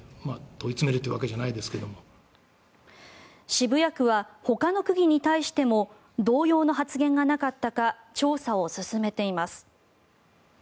渋谷区はほかの区議に対しても同様の発言がなかったか調査を進めています。